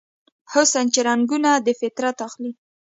حسن چې رنګونه دفطرت اخلي